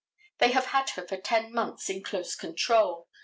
They have had her for ten months in close control.